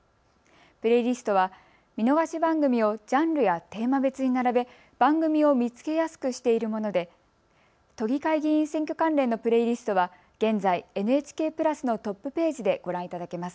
プレイリストは見逃し番組をジャンルやテーマ別に並べ、番組を見つけやすくしているもので都議会議員選挙関連のプレイリストは現在、ＮＨＫプラスのトップペースでご覧いただけます。